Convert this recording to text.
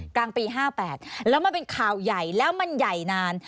กลางปี๕๘แล้วมันเป็นข่าวใหญ่แล้วมันใหญ่นาน